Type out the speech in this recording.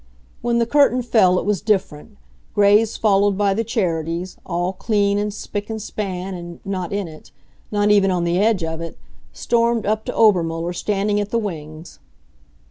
When the curtain fell it was different. Grays followed by the Charities, all clean and spick and span and not in it; not even on the edge of it stormed up to Obermuller standing at the wings.